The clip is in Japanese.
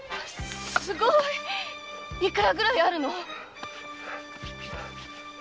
すごい‼いくらぐらいあるの？